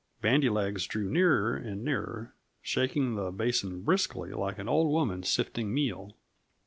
Bandy legs drew nearer and nearer, shaking the basin briskly, like an old woman sifting meal.